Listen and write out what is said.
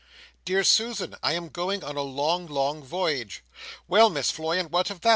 "Dear Susan, I am going on a long, long voyage." "Well Miss Floy, and what of that?